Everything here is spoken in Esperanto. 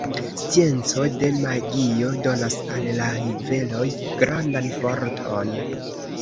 Scienco de magio donas al la juveloj grandan forton.